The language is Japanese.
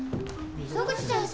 溝口先生。